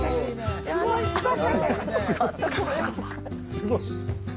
すごい。